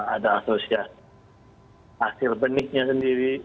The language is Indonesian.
ada asosiasi hasil benihnya sendiri